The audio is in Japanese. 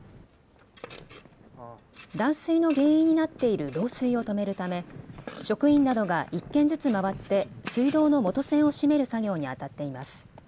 断水の原因になっている漏水を止めるため職員などが１軒ずつ回って水道の元栓を閉める作業にあたっています。